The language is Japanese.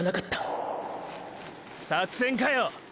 作戦かよ。